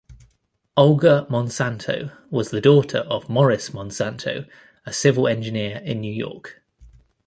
Olga Monsanto was the daughter of Morris Monsanto, a civil engineer in New York.